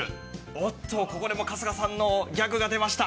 おっとここでも春日さんのギャグが出ました。